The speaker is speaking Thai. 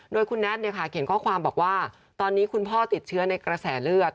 โดยคุณแน็ตเขียนข้อความบอกว่าตอนนี้คุณพ่อติดเชื้อในกระแสเลือด